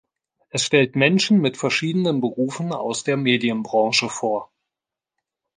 Es stellt Menschen mit verschiedenen Berufen aus der Medienbranche vor.